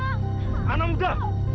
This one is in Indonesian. hei anak muda